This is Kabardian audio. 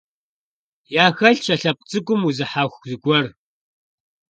Яхэлъщ а лъэпкъ цӀыкӀум узыхьэху зыгуэр.